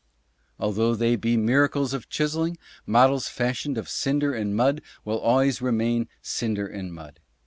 Although they be miracles of chiselling, models fashioned of cinder and mud will always remain cinder and mud.